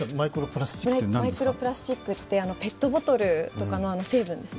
マイクロプラスチックってペットボトルとかの成分です。